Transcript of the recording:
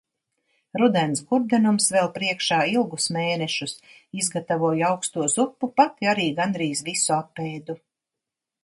Rudens gurdenums vēl priekšā ilgus mēnešus. Izgatavoju auksto zupu, pati arī gandrīz visu apēdu.